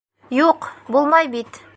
Юҡ, булмай бит.